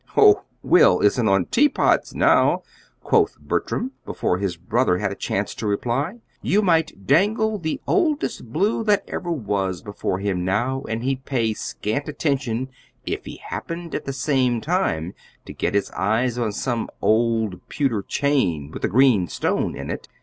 "Ho! Will isn't on teapots now," quoth Bertram, before his brother had a chance to reply. "You might dangle the oldest 'Old Blue' that ever was before him now, and he'd pay scant attention if he happened at the same time to get his eyes on some old pewter chain with a green stone in it."